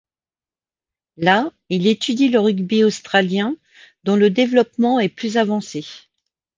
Là, il étudie le rugby australien dont le développement est plus avancé.